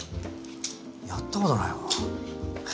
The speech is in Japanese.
やったことないわ。